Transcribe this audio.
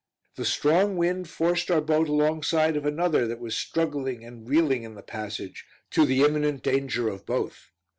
The strong wind forced our boat alongside of another that was struggling and reeling in the passage, to the imminent danger of both.